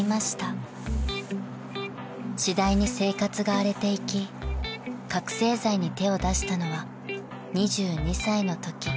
［次第に生活が荒れていき覚醒剤に手を出したのは２２歳のとき］